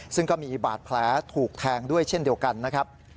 ซึ่งก็มีบาดแผลถูกแทงด้วยเช่นเดียวกันนะครับ